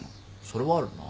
それはあるな。